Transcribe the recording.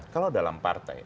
kalau dalam partai